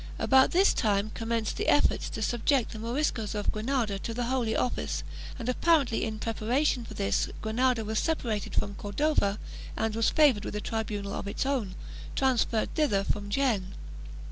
About this time commenced the efforts to subject the Moriscos of Granada to the Holy Office and apparently in preparation for this Granada was separated from Cordova and was favored with a tribunal of its own, transferred thither from Jaen.